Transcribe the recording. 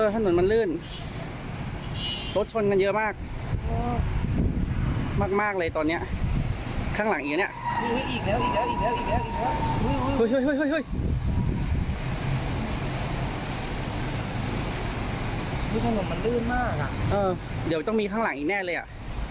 ทางนี้มันลื่นมากอะเดี๋ยวต้องมีทางหลังอีกแน่เลยอะ